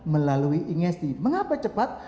melalui ingesti mengapa cepat